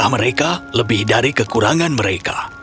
mereka lebih dari kekurangan mereka